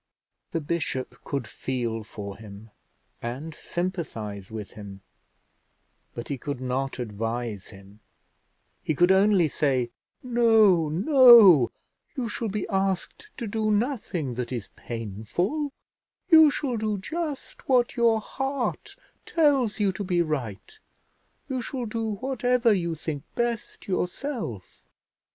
The bishop could feel for him and sympathise with him, but he could not advise him; he could only say, "No, no, you shall be asked to do nothing that is painful; you shall do just what your heart tells you to be right; you shall do whatever you think best yourself.